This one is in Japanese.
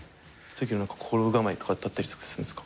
心構えとかってあったりするんですか？